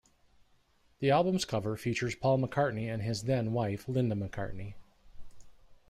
The album's cover features Paul McCartney and his then-wife, Linda McCartney.